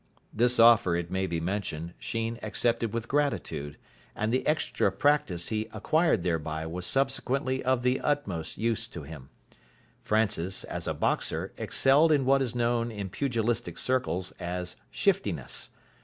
This offer, it may be mentioned, Sheen accepted with gratitude, and the extra practice he acquired thereby was subsequently of the utmost use to him. Francis, as a boxer, excelled in what is known in pugilistic circles as shiftiness.